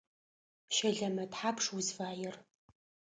Щэлэмэ тхьапш узфаер?